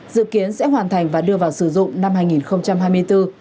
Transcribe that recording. dự kiến sẽ hoàn thành và đưa vào sử dụng năm hai nghìn hai mươi bốn